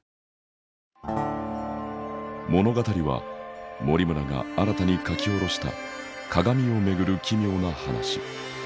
物語は森村が新たに書き下ろした鏡を巡る奇妙な話。